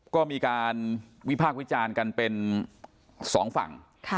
ก็มีการวิพากษ์วิจารณ์กันเป็นสองฝั่ง